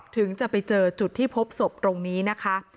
ถึงจะไปเจอจุดที่พบศพตรงนี้นะคะ